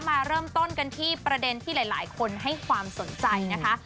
มาเริ่มต้นกันที่ประเด็นที่หลายคนให้ความสนใจนะคะ